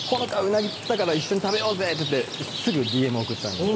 鰻釣ったから一緒に食べようぜ」っていってすぐＤＭ送ったんです